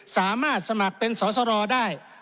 สามารถสมัครเป็นสอสรได้